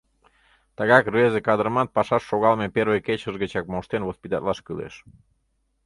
Тыгак рвезе кадрымат пашаш шогалме первый кечыж гычак моштен воспитатлаш кӱлеш.